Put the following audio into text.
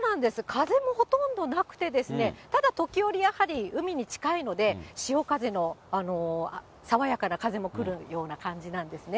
風もほとんどなくて、ただ時折やはり海に近いので、潮風の爽やかな風も来るような感じなんですね。